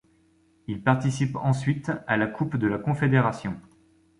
Il participe ensuite à la Coupe de la confédération.